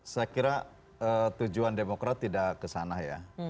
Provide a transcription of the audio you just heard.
saya kira tujuan demokrat tidak kesana ya